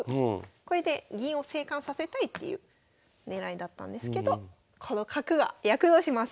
これで銀を生還させたいっていう狙いだったんですけどこの角が役立ちます。